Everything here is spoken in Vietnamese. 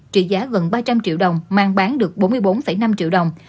trị giá gần ba trăm linh triệu đồng mang bán được bốn mươi bốn năm triệu đồng